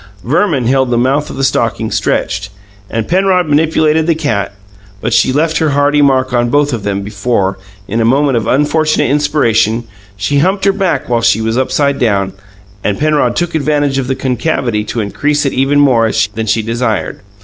Verman held the mouth of the stocking stretched, and Penrod manipulated the cat; but she left her hearty mark on both of them before, in a moment of unfortunate inspiration, she humped her back while she was upside down, and Penrod took advantage of the concavity to increase it even more than she desired.